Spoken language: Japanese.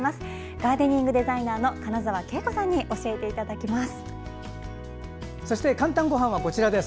ガーデンデザイナーの金沢啓子さんに教えていただきます。